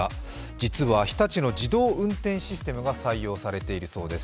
実は、日立の自動運転システムが採用されているそうです。